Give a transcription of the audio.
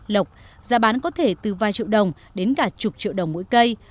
lộc giá bán có thể từ vài triệu đồng đến cả chục triệu đồng mỗi cây